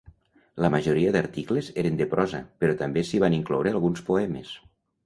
La majoria d'articles eren de prosa però també s'hi van incloure alguns poemes.